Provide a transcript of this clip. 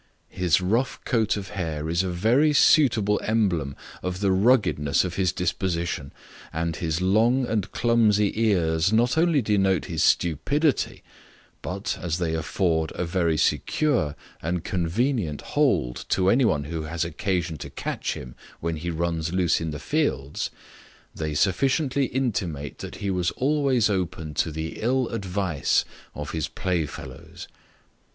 His rough coat of hair is a very suitable emblem of the ruggedness of his disposition; and his long and clumsy ears not only denotes his stupidity, but, as they afford a very secure and convenient hold to any one who has occasion to catch him when he runs loose in the fields, they sufficiently intimate that he was always open to the ill advice of his play fellows.